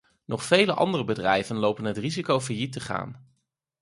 Nog vele andere bedrijven lopen het risico failliet te gaan.